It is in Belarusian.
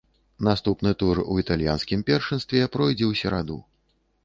Наступны тур у італьянскім першынстве пройдзе ў сераду.